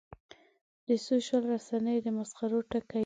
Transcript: د سوشل رسنیو د مسخرو ټکی وي.